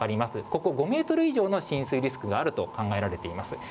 ここ、５メートル以上の浸水リスクがあると考えられています。